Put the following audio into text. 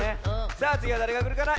さあつぎはだれがくるかな？